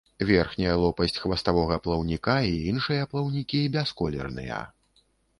Верхняя лопасць хваставога плаўніка і іншыя плаўнікі бясколерныя.